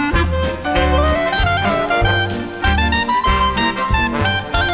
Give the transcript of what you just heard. สวัสดีครับ